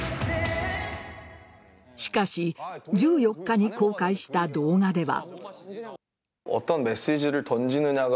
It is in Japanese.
しかし１４日に公開した動画では。